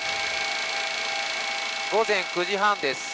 午前９時半です。